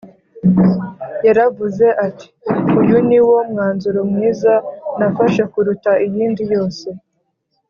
Yaravuze ati “uyu ni wo mwanzuro mwiza nafashe kuruta iyindi yose”